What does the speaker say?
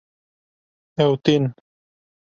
Ew tên